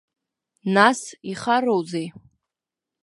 Нас, ихароузеи?